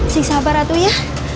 sisa berat ya